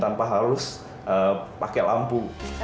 tanpa harus pakai lampu